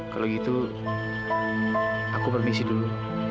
kalau gitu aku permisi dulu